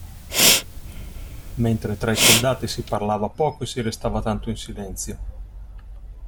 Mentre tra i soldati si parlava poco e si restava tanto in silenzio.